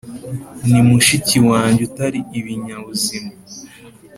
ni mushiki wanjye utari ibinyabuzima.